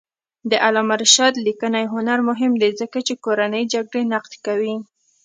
د علامه رشاد لیکنی هنر مهم دی ځکه چې کورنۍ جګړې نقد کوي.